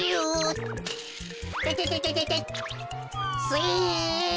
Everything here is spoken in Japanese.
スイ。